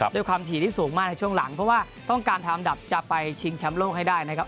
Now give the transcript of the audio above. ด้วยความถี่ที่สูงมากในช่วงหลังเพราะว่าต้องการทำอันดับจะไปชิงแชมป์โลกให้ได้นะครับ